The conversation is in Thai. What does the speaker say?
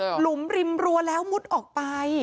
หลุมริมรัวแล้วมุดออกไป